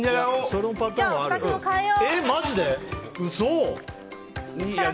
私も変えよう！